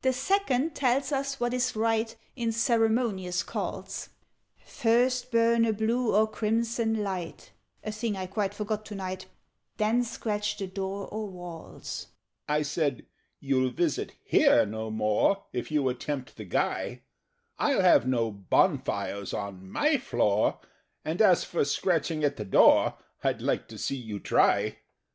"The Second tells us what is right In ceremonious calls: 'First burn a blue or crimson light' (A thing I quite forgot to night), 'Then scratch the door or walls.'" [Illustration: "AND SWING YOURSELF FROM SIDE TO SIDE"] I said "You'll visit here no more, If you attempt the Guy. I'll have no bonfires on my floor And, as for scratching at the door, I'd like to see you try!"